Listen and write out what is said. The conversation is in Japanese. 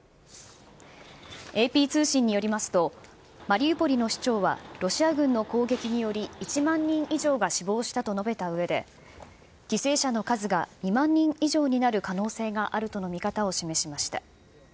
ＡＰ通信によりますと、マリウポリの市長はロシア軍の攻撃により、１万人以上が死亡したと述べたうえで、犠牲者の数が２万人以上になる可能性があるとの見方を示しました。